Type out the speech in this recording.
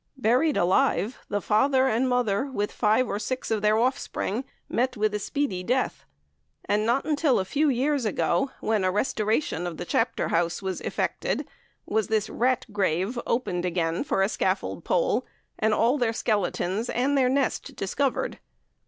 Buried alive, the father and mother, with five or six of their offspring, met with a speedy death, and not until a few years ago, when a restoration of the Chapter House was effected, was the rat grave opened again for a scaffold pole, and all their skeletons and their nest discovered.